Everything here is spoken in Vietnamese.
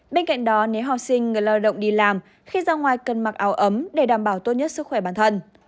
bên cạnh đó nếu học sinh người lao động đi làm khi ra ngoài cần mặc áo ấm để đảm bảo tốt nhất sức khỏe bản thân